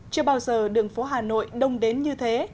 chưa bao giờ đường phố hà nội đông đến như thế